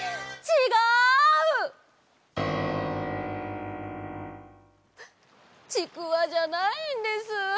ちくわじゃないんです。